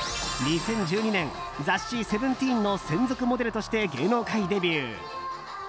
２０１２年雑誌「セブンティーン」の専属モデルとして芸能界デビュー。